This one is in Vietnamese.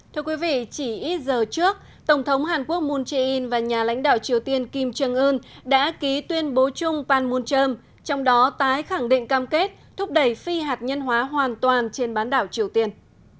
thưa quý vị chỉ ít giờ trước tổng thống hàn quốc moon jae in và nhà lãnh đạo triều tiên kim trương ưn đã ký tuyên bố chung panmunjom trong đó tái khẳng định cam kết thúc đẩy phi hạt nhân hóa hoàn toàn trên bán đảo triều tiên